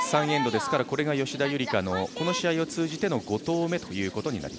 ３エンドですからこれが吉田夕梨花のこの試合を通じての５投目。